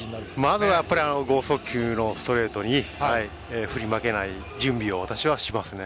まずは剛速球のストレートに振り負けない準備を私はしますね。